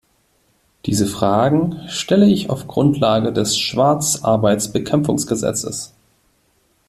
Diese Fragen stelle ich auf Grundlage des Schwarzarbeitsbekämpfungsgesetzes.